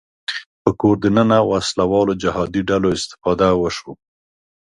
په کور دننه وسله والو جهادي ډلو استفاده وشوه